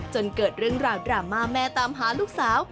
เกิดเรื่องราวดราม่าแม่ตามหาลูกสาว